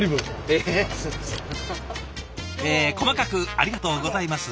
え細かくありがとうございます。